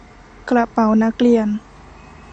กระเป๋านักเรียน